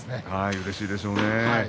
うれしいでしょうね